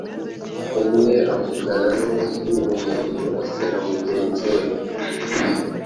umwe avugana n’undi, umuntu wese na mugenzi we